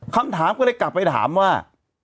คำถามก็เลยกลับไปถามว่า